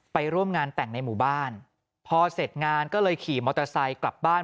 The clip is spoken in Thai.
ไปร่วมงานแต่งในหมู่บ้านพอเสร็จงานก็เลยขี่มอเตอร์ไซค์กลับบ้าน